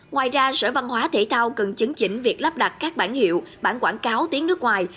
ngoài ra sở văn hóa thể thao cần chứng chỉnh việc lắp đặt các bản hiệu bản quảng cáo tiếng nước ngoài